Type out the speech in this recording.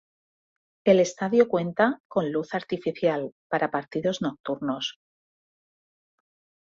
El estadio cuenta con luz artificial para partidos nocturnos.